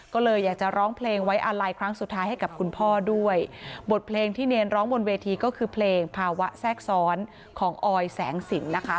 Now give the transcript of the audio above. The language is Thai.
ก็เลยอยากจะร้องเพลงไว้อาลัยครั้งสุดท้ายให้กับคุณพ่อด้วยบทเพลงที่เนรร้องบนเวทีก็คือเพลงภาวะแทรกซ้อนของออยแสงสินนะคะ